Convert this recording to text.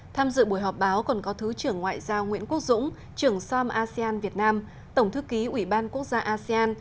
tham dự buổi họp báo còn có thứ trưởng ngoại giao nguyễn quốc dũng trưởng som asean việt nam tổng thư ký ủy ban quốc gia asean